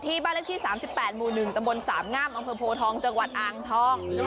บ้านเลขที่๓๘หมู่๑ตำบลสามงามอำเภอโพทองจังหวัดอ่างทอง